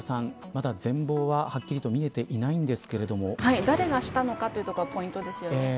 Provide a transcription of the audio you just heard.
まだ全貌ははっきりと見えて誰がしたのかというところがポイントですよね。